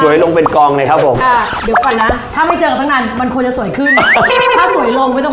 อยู่ตรงหน้าคุณครับ